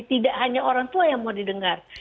tidak hanya orang tua yang mau didengar